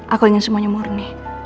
aku ingin semuanya murni